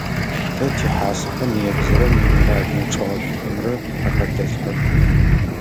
Тэ тихьасэхэм ебзырэ минеральнэ чӏыгъэшӏухэмрэ ахэтэлъхьэх.